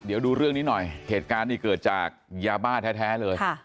เดี๋ยวดูเรื่องนี้หน่อยเหตุการณ์นี้เกิดจากยาบ้าแท้เลย